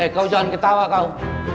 eh kau jangan ketawa kau